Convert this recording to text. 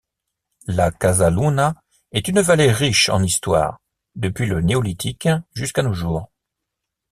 La Casaluna est une vallée riche en histoire, depuis le Néolithique jusqu'à nos jours.